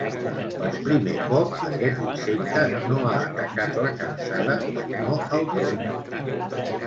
Per primer cop, aquest insecte no ha atacat la capçada sinó el tronc.